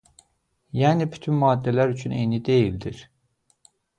Yəni bütün maddələr üçün eyni deyildir.